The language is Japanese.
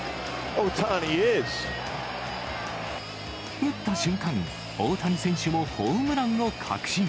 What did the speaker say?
打った瞬間、大谷選手もホームランを確信。